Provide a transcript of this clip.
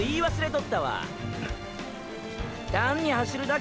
っ⁉